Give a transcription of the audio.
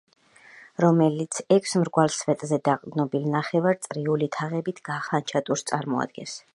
რომელიც ექვს მრგვალ სვეტზე დაყრდნობილ, ნახევარწრიული თაღებით გახსნილ, ექვსწახნაგა ფანჩატურს წარმოადგენს.